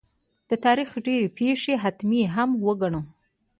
د تاریخ ډېرې پېښې حتمي هم وګڼو.